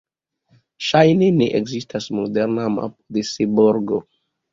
Ŝajne ne ekzistas moderna mapo de Seborgo.